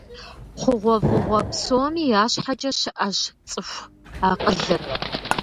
ХъугъуэфӀыгъуэ псоми я щхьэкӀэ щыӀэщ цӀыху акъылыр.